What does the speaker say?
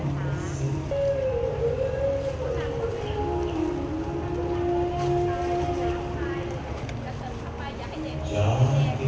สวัสดีครับสวัสดีครับ